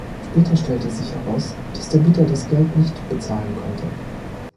Später stellte sich heraus, dass der Bieter das Geld nicht bezahlen konnte.